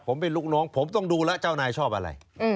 ผมเป็นลูกน้องผมต้องดูแล้วเจ้านายชอบอะไร